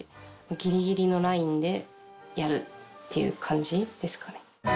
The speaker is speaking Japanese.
ギリギリのラインでやるっていう感じですかね。